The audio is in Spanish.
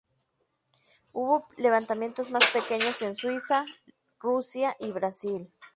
Hubo levantamientos más pequeños en Suiza, Rusia y Brasil.